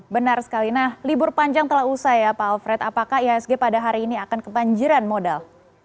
benar sekali nah libur panjang telah usai ya pak alfred apakah ihsg pada hari ini akan kebanjiran modal